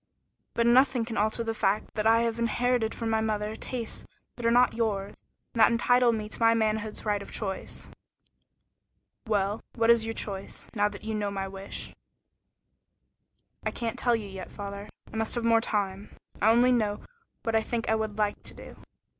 But nothing can alter the fact that I have inherited from my mother tastes that are not yours, and that entitle me to my manhood's right of choice." "Well, what is your choice, now that you know my wish?" "I can't tell you yet, father. I must have more time. I only know what I think I would like to do."